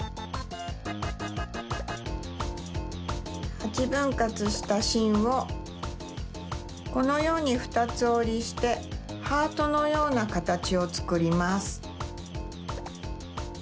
８ぶんかつしたしんをこのようにふたつおりしてハートのようなかたちをつくります。